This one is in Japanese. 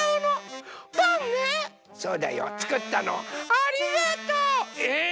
ありがとう！え